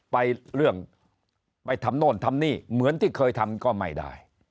ไปเรื่องไปทำโน่นทำนี่เหมือนที่เคยทำก็ไม่ได้